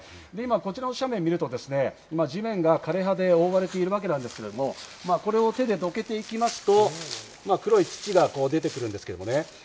こちらの斜面を見ると、地面が枯れ葉で覆われているわけなんですけれども、これを手でどけていきますと、黒い土がこう出てくるわけなんですね。